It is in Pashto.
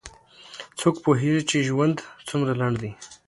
څوک پوهیږي چې ژوند څومره لنډ ده